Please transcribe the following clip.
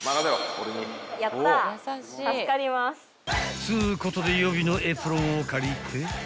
［っつうことで予備のエプロンを借りて］